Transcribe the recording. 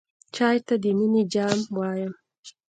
چای ته د مینې جام وایم.